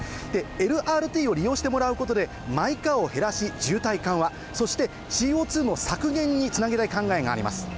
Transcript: ＬＲＴを利用してもらうことでマイカーを減らし渋滞緩和、そしてＣＯ２の削減につなげたい考えがあります。